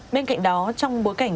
bên cạnh đó trong bối cảnh